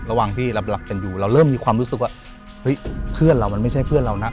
ระหว่างที่เรารักกันอยู่เราเริ่มมีความรู้สึกว่าเฮ้ยเพื่อนเรามันไม่ใช่เพื่อนเรานะ